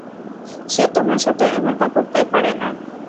সে তোমার সাথে এমনটা করতে পারে না।